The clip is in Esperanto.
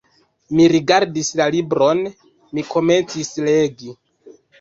Mi rigardis la libron, mi komencis legi.